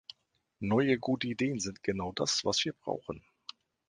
Neue gute Ideen sind genau das, was wir brauchen!